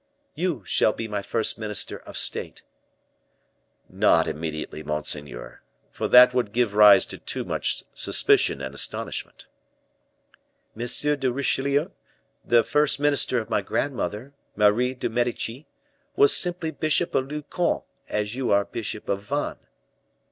"You shall be my first minister of state." "Not immediately, monseigneur, for that would give rise to too much suspicion and astonishment." "M. de Richelieu, the first minister of my grandmother, Marie de Medici, was simply bishop of Lucon, as you are bishop of Vannes."